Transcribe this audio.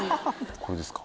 これですか？